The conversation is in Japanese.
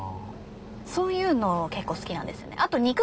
そういうの結構好きなんですよねアト。